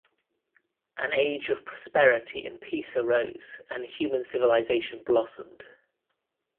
An age of prosperity and peace arose and human civilization blossomed.